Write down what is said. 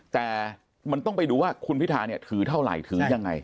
แต่มันต้องไปดูว่าคุณพิธาเนี่ยถือเท่าไหร่ถือยังไง